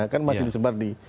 kan masih disebar di